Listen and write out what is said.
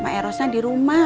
maerosnya di rumah